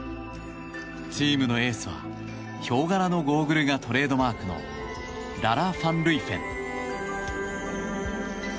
チームのエースはヒョウ柄のゴーグルがトレードマークのララ・ファンルイフェン。